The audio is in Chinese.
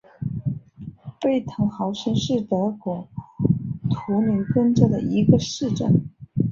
贝滕豪森是德国图林根州的一个市镇。